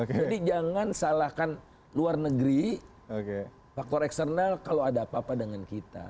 jadi jangan salahkan luar negeri faktor eksternal kalau ada apa apa dengan kita